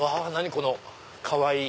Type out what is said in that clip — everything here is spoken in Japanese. このかわいい。